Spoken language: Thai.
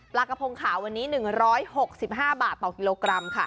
กระพงขาววันนี้๑๖๕บาทต่อกิโลกรัมค่ะ